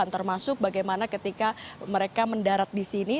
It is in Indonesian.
termasuk bagaimana ketika mereka mendarat di sini